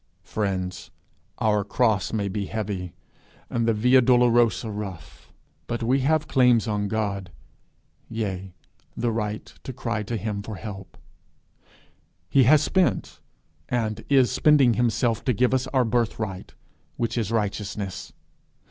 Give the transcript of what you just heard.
Friends, our cross may be heavy, and the via dolorosa rough; but we have claims on God, yea the right to cry to him for help. He has spent, and is spending himself to give us our birthright, which is righteousness.